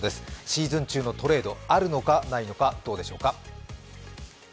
シーズン中のトレード、あるのか、ないのか、どうでしょうか。